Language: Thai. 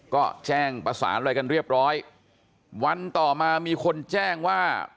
ก็แจ้งประสานอะไรกันเรียบร้อยวันต่อมามีคนแจ้งว่า